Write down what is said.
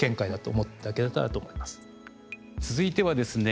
続いてはですね